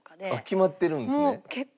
決まってるんですね。